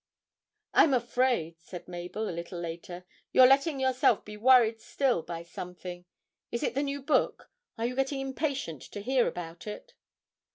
'I'm afraid,' said Mabel a little later, 'you're letting yourself be worried still by something. Is it the new book? Are you getting impatient to hear about it?'